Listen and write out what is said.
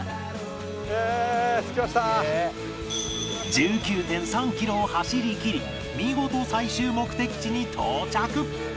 １９．３ キロを走りきり見事最終目的地に到着